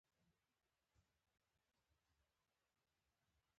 نو د وخت په تېرېدو سره به خپل سپر کوز کړي.